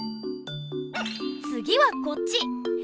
つぎはこっち！